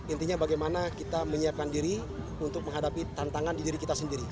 intinya bagaimana kita menyiapkan diri untuk menghadapi tantangan di diri kita sendiri